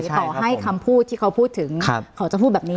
ต่อให้คำพูดที่เขาพูดถึงเขาจะพูดแบบนี้